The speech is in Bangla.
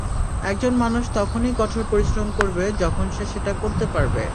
একজন মানুষ তখনই কঠোর পরিশ্রম করবে যখন সে সেটা করতে পারবে।